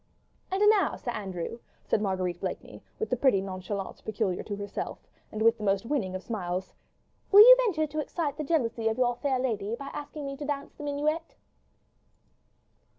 "And now, Sir Andrew," said Marguerite Blakeney, with the pretty nonchalance peculiar to herself, and with the most winning of smiles, "will you venture to excite the jealousy of your fair lady by asking me to dance the minuet?"